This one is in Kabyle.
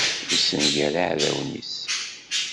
Yessenger iɛdawen-is.